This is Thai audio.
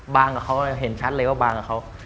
กับเขาเห็นชัดเลยว่าบางกับเขา